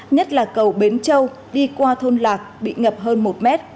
nhất là cầu bến châu đi qua thôn lạc bị ngập hơn một mét